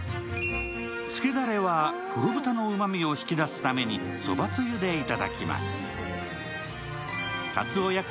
つけだれは黒豚のうまみを引き出すためにそばつゆで頂きます。